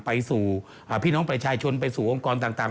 ไปสู่พี่น้องประชาชนไปสู่องค์กรต่าง